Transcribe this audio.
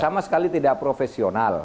misalnya tidak profesional